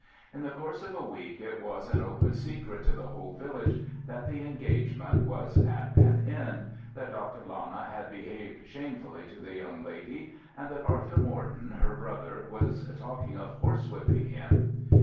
In the course of a week it was an open secret to the whole village that the engagement was at an end, that Dr. Lana had behaved shamefully to the young lady, and that Arthur Morton, her brother, was talking of horse whipping him.